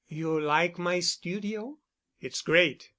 "You like my studio?" "It's great.